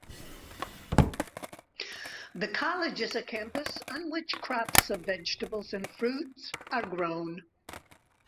The College has a campus, on which crops of vegetables and fruit are grown.